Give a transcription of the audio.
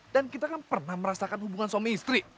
dan kita kan pernah merasakan hubungan suami istri